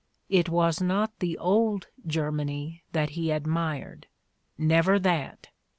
It was not the old Germany that he admired — never that!